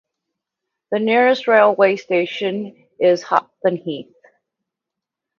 The nearest railway station is Hoptonheath.